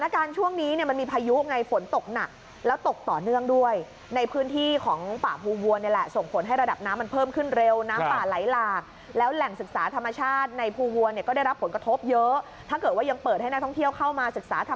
คือน้ำมันหลากลงมาค่ะ